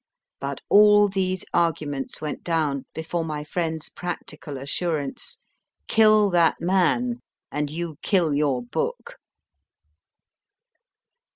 But all these arguments went down before my friend s practical assurance : Kill that man, and you kill your book.